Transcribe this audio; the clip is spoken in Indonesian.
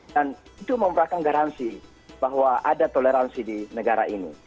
dan itu memberikan garansi bahwa ada toleransi di negara ini